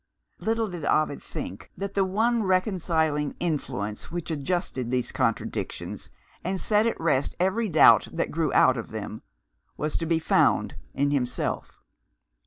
Little did Ovid think that the one reconciling influence which adjusted these contradictions, and set at rest every doubt that grew out of them, was to be found in himself.